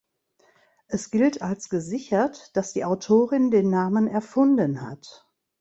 Es gilt als gesichert, dass die Autorin den Namen erfunden hat.